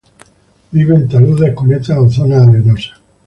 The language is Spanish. Vive en taludes, cunetas o zonas arenosas.